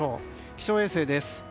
気象衛星です。